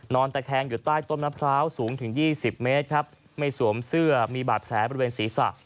ตะแคงอยู่ใต้ต้นมะพร้าวสูงถึง๒๐เมตรครับไม่สวมเสื้อมีบาดแผลบริเวณศีรษะ